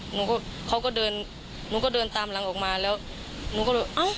หนูเขาก็เดินตามนังออกมาแล้วหนูก็เลยนะ